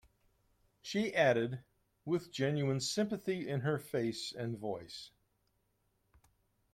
She added, with genuine sympathy in her face and voice.